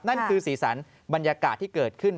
นั่นคือสีสันบรรยากาศที่เกิดขึ้น